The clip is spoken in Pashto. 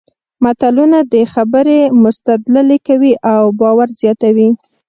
متلونه خبرې مستدللې کوي او باور زیاتوي